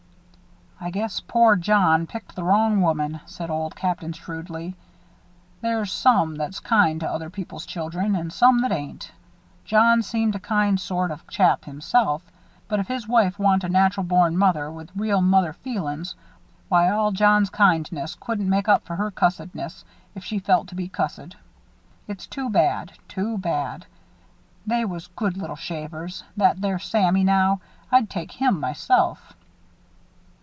"I guess poor John picked the wrong woman," said Old Captain, shrewdly. "There's some that's kind to other people's children and some that ain't. John seemed a kind sort of chap, himself; but if his wife wan't a natural born mother, with real mother feelin's, why all John's kindness couldn't make up for her cussedness, if she felt to be cussed. It's too bad, too bad. They was good little shavers. That there Sammy, now. I'd take him, myself."